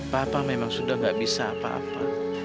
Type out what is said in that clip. papa memang sudah tidak bisa apa apa